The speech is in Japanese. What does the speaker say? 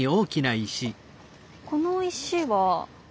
この石は。